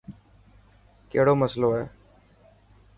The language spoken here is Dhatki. ڪهڙو مصلو هي.